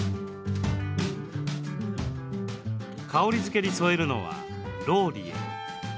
香りづけに添えるのはローリエ。